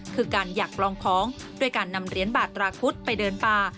คือการอยากลองของด้วยการนำเหรียญบาทตราคุดไปเดินป่า